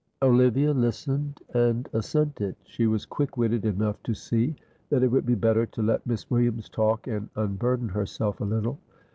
Olivia listened and assented. She was quick witted enough to see that it would be better to let Miss Williams talk and unburden herself a little.